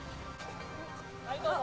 はいどうも。